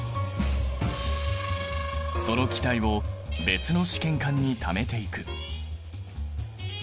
その気体を別の試験管にためていく。